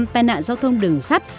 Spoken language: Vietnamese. năm tai nạn giao thông đường sắt